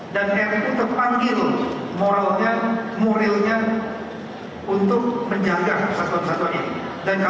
dan agw muralnya ngenes untuk menjaga persatuan